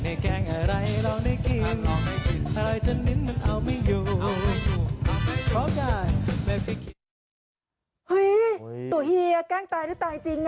เฮ้ยตัวเฮียแกล้งตายไหมตายจริง